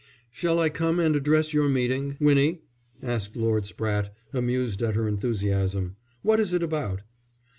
"Shall I come and address your meeting, Winnie?" asked Lord Spratte, amused at her enthusiasm. "What is it about?"